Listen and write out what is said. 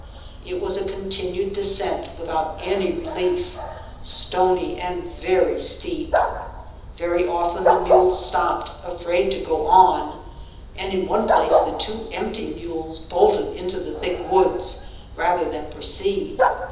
It was a continued descent, without any relief, stony, and very steep. Very often the mules stopped, afraid to go on ; and in one place the two empty mules bolted into the thick woods rather than proceed.